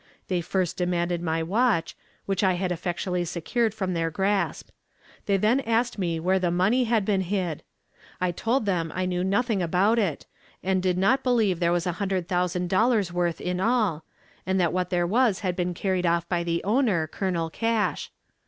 They first demanded my watch, which I had effectually secured from their grasp. They then asked me where the money had been hid. I told them I knew nothing about it, and did not believe there was a thousand dollars worth in all, and what there was had been carried off by the owner, Colonel Cash.